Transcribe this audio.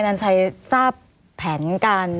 ไม่มีครับไม่มีครับ